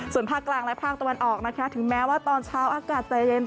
ส่วนภาคกลางและภาคตะวันออกนะคะถึงแม้ว่าตอนเช้าอากาศจะเย็น